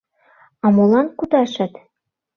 — А молан кудашыт?